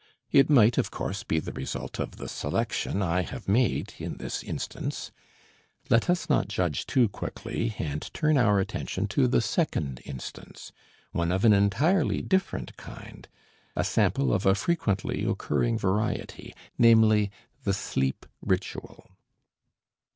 It might of course be the result of the selection I have made in this instance. Let us not judge too quickly and turn our attention to the second instance, one of an entirely different kind, a sample of a frequently occurring variety, namely, the sleep ritual.